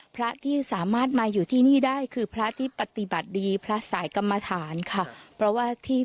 พระที่สามารถมาอยู่ที่นี่ได้คือพระที่ปฏิบัติดีพระสายกรรมฐานค่ะเพราะว่าที่